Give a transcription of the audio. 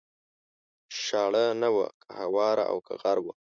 شاړه نه وه که هواره او که غر و